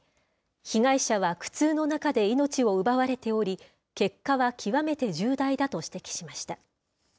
被害者は苦痛の中で命を奪われており、結果は極めて重大だと指摘しました。